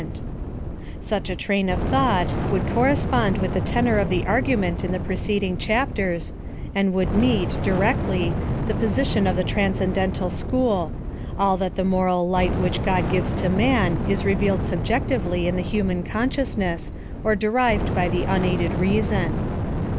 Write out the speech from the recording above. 260 PHILOSOPHY OF THH Such a train of thought would correspond with the tenor of the argument in th*^ preceding chapters, and would meet, directl}'^, the position of the tran scendental school — that all the moral ligflt which God gives to man is revealed subjectively in the human consciousness, or derived by the unaided reason.